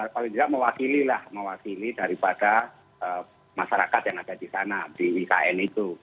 paling tidak mewakili lah mewakili daripada masyarakat yang ada di sana di ikn itu